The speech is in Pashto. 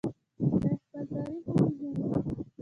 باید خپل تاریخ وپیژنو